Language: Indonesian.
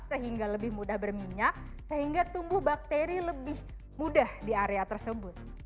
sehingga lebih mudah berminyak sehingga tumbuh bakteri lebih mudah di area tersebut